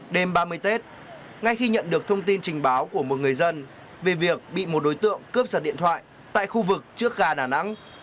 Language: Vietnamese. đêm ba mươi tết ngay khi nhận được thông tin trình báo của một người dân về việc bị một đối tượng cướp giật điện thoại tại khu vực trước gà đà nẵng